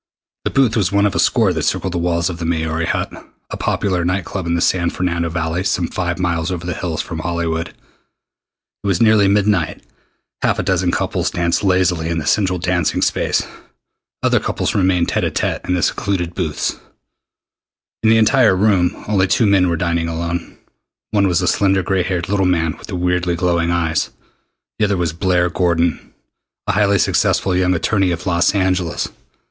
The booth was one of a score that circled the walls of the "Maori Hut," a popular night club in the San Fernando Valley some five miles over the hills from Hollywood. It was nearly midnight. Half a dozen couples danced lazily in the central dancing space. Other couples remained tête à tête in the secluded booths. In the entire room only two men were dining alone. One was the slender gray haired little man with the weirdly glowing eyes. The other was Blair Gordon, a highly successful young attorney of Los Angeles.